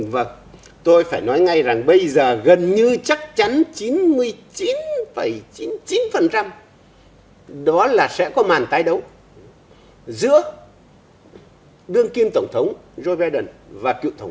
vâng tôi phải nói ngay rằng bây giờ gần như chắc chắn chín mươi chín chín mươi chín đó là sẽ có màn tái đấu giữa đương kim tổng thống joe biden và cựu tổng thống